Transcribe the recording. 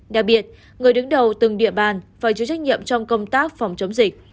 đặc biệt người đứng đầu từng địa bàn phải chịu trách nhiệm trong công tác phòng chống dịch